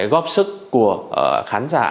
góp sức của khán giả